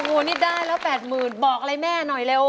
โอ้โหนี่ได้แล้ว๘๐๐๐บอกอะไรแม่หน่อยเร็ว